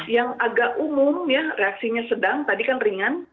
yang agak umum ya reaksinya sedang tadi kan ringan